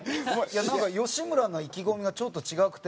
なんか吉村の意気込みがちょっと違くて。